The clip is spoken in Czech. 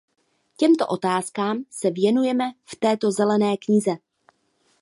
Těmto otázkám se věnujeme v této zelené knize.